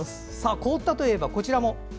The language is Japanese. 凍ったといえばこちらも。